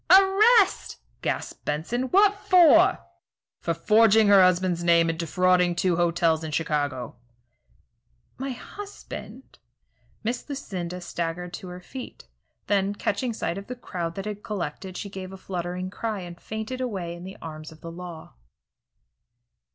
"Arrest!" gasped Benson. "What for?" "For forging her husband's name, and defrauding two hotels in Chicago." "My husband " Miss Lucinda staggered to her feet, then, catching sight of the crowd that had collected, she gave a fluttering cry and fainted away in the arms of the law.